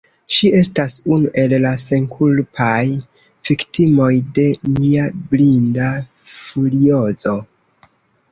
Ŝi estas unu el la senkulpaj viktimoj de mia blinda furiozo.